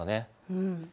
うん。